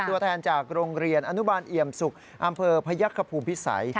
ตัวแทนจากโรงเรียนอนุบาลเอี่ยมศุกร์อำเภอพยักษภูมิพิสัย